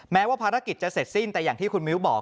แม้ว่าภารกิจจะเสร็จสิ้นแต่อย่างที่คุณมิ้วบอก